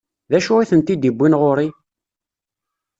D acu i tent-id-iwwin ɣur-i?